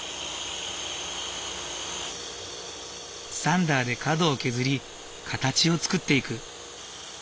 サンダーで角を削り形を作っていく。